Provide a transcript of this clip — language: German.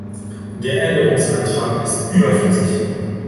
Der Änderungsantrag ist überflüssig!